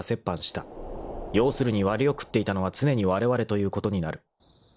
［要するに割を食っていたのは常にわれわれということになる］